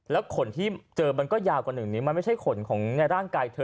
ขนที่เจอมันก็ยาวกว่า๑นิ้วมันไม่ใช่ขนของในร่างกายเธอ